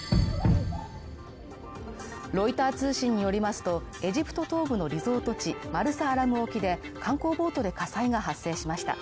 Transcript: ロイター通信によりますと、エジプト東部のリゾート地、マルサアラム沖で観光ボートで火災が発生しました。